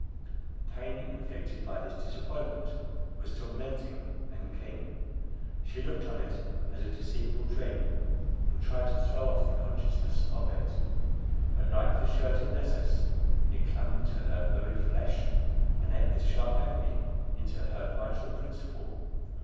The pain inflicted by this disappointment was tormenting and keen. She looked on it as a deceitful dream, and tried to throw off the consciousness of it; but like the shirt of Nessus, it clung to her very flesh, and ate with sharp agony into her vital principle.